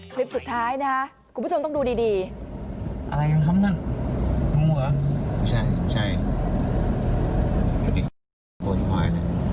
คลิปสุดท้ายนะคุณผู้ชมต้องดูดีดีอะไรกันครับนั่นมัวใช่ใช่